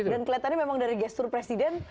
dan kelihatannya memang dari gestur presiden